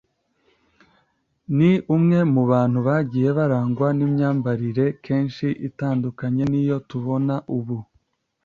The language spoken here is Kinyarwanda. ni umwe mu bantu bagiye barangwa n’imyambarire kenshi itandukanye n’iyo tubona ubu